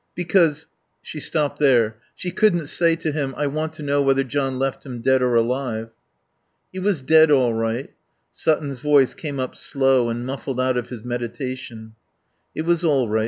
"Because " She stopped there. She couldn't say to him, "I want to know whether John left him dead or alive." "He was dead all right." Sutton's voice came up slow and muffled out of his meditation. It was all right.